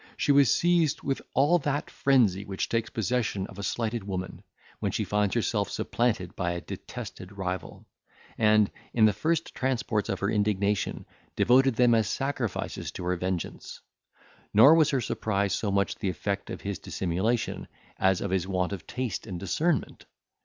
She was seized with all that frenzy which takes possession of a slighted woman, when she finds herself supplanted by a detested rival; and, in the first transports of her indignation, devoted them as sacrifices to her vengeance. Nor was her surprise so much the effect of his dissimulation, as of his want of taste and discernment.